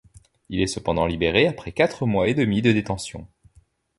Il est cependant libéré après quatre mois et demi de détention.